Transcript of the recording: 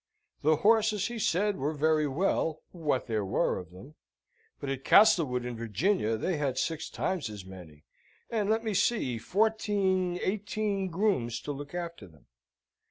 The horses, he said, were very well, what there were of them; but at Castlewood in Virginia they had six times as many, and let me see, fourteen eighteen grooms to look after them.